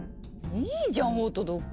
いいじゃんホットドッグ！